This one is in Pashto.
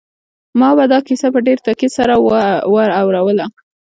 ما به دا کیسه په ډېر تاکید سره ور اوروله